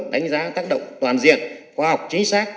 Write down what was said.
đánh giá tác động toàn diện khoa học chính xác